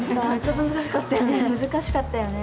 難しかったよね。